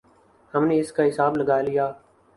ہم نے اس کا حساب لگا لیا۔